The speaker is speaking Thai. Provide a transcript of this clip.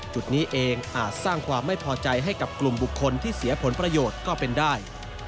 จุดนี้เองอาจสร้างความไม่พอใจให้กับกลุ่มบุคคลที่เสียผลประโยชน์ก็เป็นได้